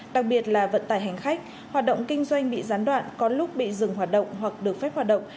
đặc biệt là vận tải hành khách hoạt động kinh doanh bị gián đoạn có lúc bị dừng hoạt động hoặc được phép hoạt động